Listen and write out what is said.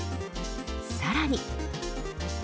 さらに。